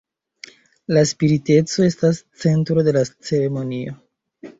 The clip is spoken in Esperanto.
La spiriteco estas centro de la ceremonio.